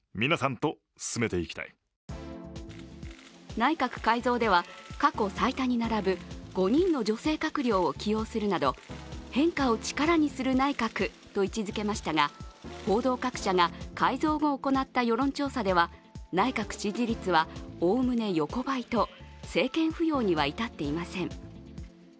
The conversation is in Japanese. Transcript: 内閣改造では、過去最多に並ぶ５人の女性閣僚を起用するなど変化を力にする内閣と位置づけましたが、報道各社が改造後行った世論調査では、内閣支持率は、おおむね横ばいと政権浮揚には至っていません。